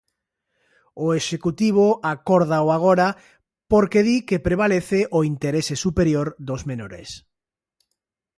O Executivo acórdao agora porque di que prevalece o interese superior dos menores.